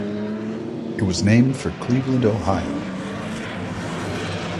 It was named for Cleveland, Ohio.